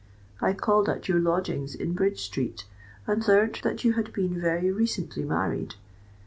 I called at your lodgings in Bridge Street, and learnt that you had been very recently married.